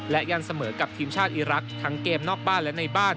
และยังเสมอกับทีมชาติอีรักษ์ทั้งเกมนอกบ้านและในบ้าน